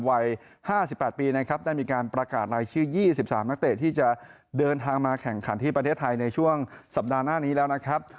วัย๕๘ปีนะครับได้มีการประกาศรายชื่อ๒๓นักเตะที่จะเดินทางมาแข่งขันที่ประเทศไทยในช่วงสัปดาห์หน้านี้แล้วนะครับ